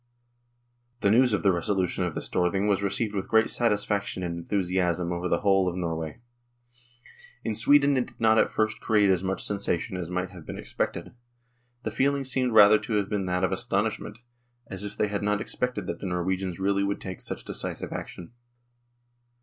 The news of the resolution of the Storthing was received with great satisfaction and enthusiasm over the whole of Norway. In Sweden it did not at first I 2 116 NORWAY AND THE UNION WITH SWEDEN create as much sensation as might have been ex pected. The feeling seemed rather to have been that of astonishment, as if they had not expected that the Norwegians really would take such decisive action.